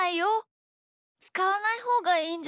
つかわないほうがいいんじゃない？